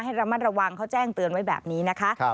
ระมัดระวังเขาแจ้งเตือนไว้แบบนี้นะคะ